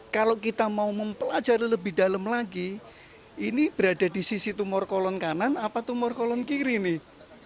kalau kita mau mempelajari lebih dalam lagi ini berada di sisi tumor kolon kanan apa tumor kolon kiri nih